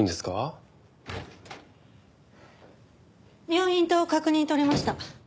病院と確認取れました。